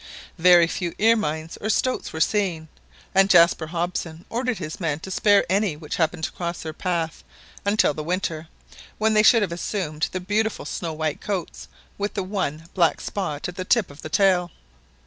Very few ermines or stoats were seen, and Jaspar Hobson ordered his men to spare any which happened to cross their path until the winter, when they should have assumed their beautiful snow white coats with the one black spot at the tip of the tail.